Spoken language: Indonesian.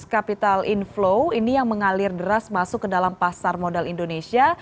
capital inflow ini yang mengalir deras masuk ke dalam pasar modal indonesia